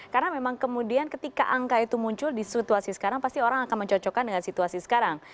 karena memang kemudian ketika angka itu muncul di situasi sekarang pasti orang akan mencocokkan dengan situasi sekarang